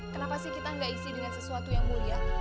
kenapa sih kita gak isi dengan sesuatu yang mulia